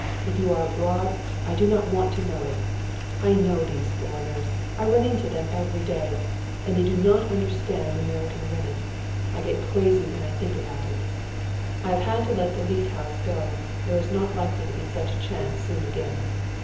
If you are abroad I do not want to know it. I know these foreigners. I run into them every day. And they do not understand American women. I get crazy when I think about it. I have had to let the Leete house go. There is not likely to be such a chance soon again.